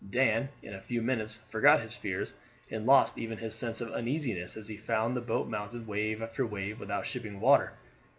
Dan in a few minutes forgot his fears and lost even his sense of uneasiness as he found the boat mounted wave after wave without shipping water.